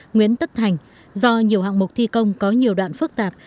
nguyễn tất thành do nhiều hạng mục thi công có nhiều đoạn phức tạp